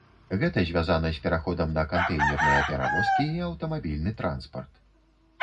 Гэта звязана з пераходам на кантэйнерныя перавозкі і аўтамабільны транспарт.